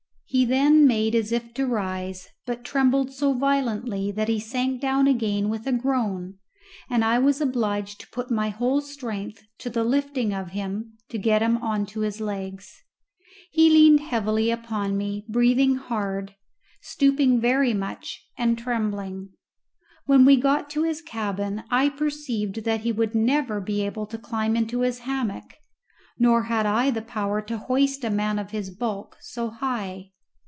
He then made as if to rise, but trembled so violently that he sank down again with a groan, and I was obliged to put my whole strength to the lifting of him to get him on to his legs. He leaned heavily upon me, breathing hard, stooping very much and trembling. When we got to his cabin I perceived that he would never be able to climb into his hammock, nor had I the power to hoist a man of his bulk so high.